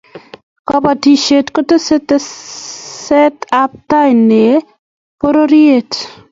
kabatisiet kotesee teset ab tai ne pororiet